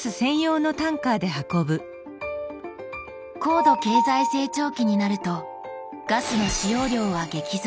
高度経済成長期になるとガスの使用量は激増。